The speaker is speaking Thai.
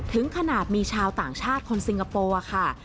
ถึงขนาดมีชาวต่างชาติคนสิงคโปร์ค่ะ